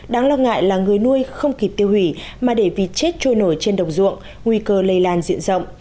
đáng lo ngại là người nuôi không kịp tiêu hủy mà để vịt chết trôi nổi trên đồng ruộng nguy cơ lây lan diện rộng